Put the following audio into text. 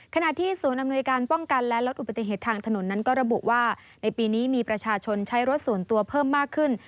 ขณะที่ศูนย์อำนวยการป้องกันและลดอุบัติเหตุทางถนนนั้นก็ระบุว่าในปีนี้มีประชาชนใช้รถส่วนตัวเพิ่มมากขึ้น